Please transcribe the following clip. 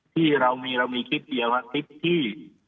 ที่เรามีเรามีคลิปเดียวว่าคลิปที่